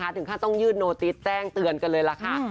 ถึงขั้นต้องยื่นโนติสแจ้งเตือนกันเลยล่ะค่ะ